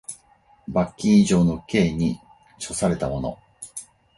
罰金以上の刑に処せられた者